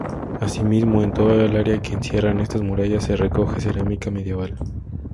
Asimismo, en toda el área que encierran estas murallas se recoge cerámica medieval.